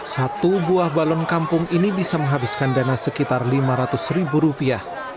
satu buah balon kampung ini bisa menghabiskan dana sekitar lima ratus ribu rupiah